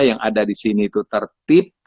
yang ada disini itu tertib